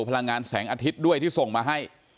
พลังงานแสงอาทิตย์ด้วยที่ส่งมาให้